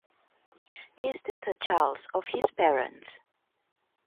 He is the third child of his parents.